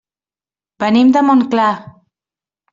Venim de Montclar.